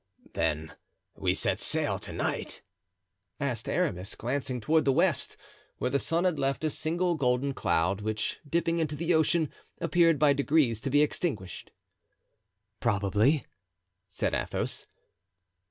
"Then we set sail to night?" asked Aramis, glancing toward the west, where the sun had left a single golden cloud, which, dipping into the ocean, appeared by degrees to be extinguished. "Probably," said Athos.